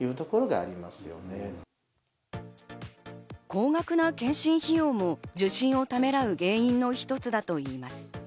高額な健診費用も受診をためらう原因の一つだといいます。